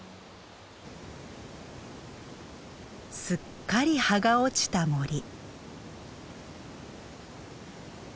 すっかり葉が落ちた森。